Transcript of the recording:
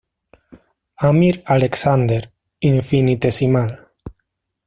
Amir Alexander, Infinitesimal.